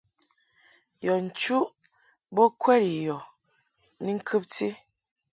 Yɔ nchuʼ bo kwɛd i yɔ ni ŋkɨbti.